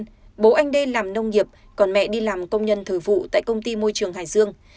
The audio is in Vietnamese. trong khi kết hôn bố anh đê làm nông nghiệp còn mẹ đi làm công nhân thờ vụ tại công ty môi trường hải dương